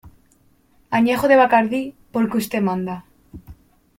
Añejo de Bacardí, porque usted manda".